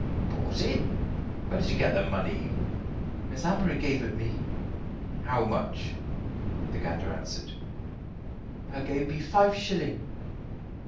"Bought it! Where did you get the money?" "Miss Amory gave it me." "How much?" The Gander answered: "Her gave me five shilling."